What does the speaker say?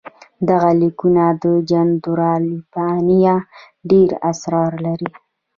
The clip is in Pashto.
دغه لیکونه د جنودالربانیه ډېر اسرار لرل.